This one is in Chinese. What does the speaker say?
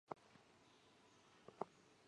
降眉肌是人体其中一块肌肉。